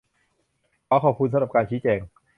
ขอขอบคุณสำหรับการชี้แจง !